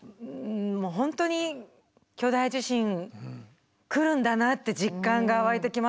もう本当に巨大地震来るんだなって実感が湧いてきましたね。